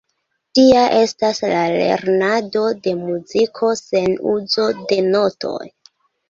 Tia estas la lernado de muziko sen uzo de notoj.